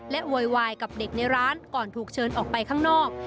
โวยวายกับเด็กในร้านก่อนถูกเชิญออกไปข้างนอก